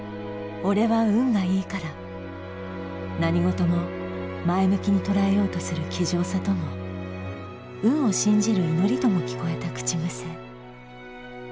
何事も前向きに捉えようとする気丈さとも運を信じる祈りとも聞こえた口癖。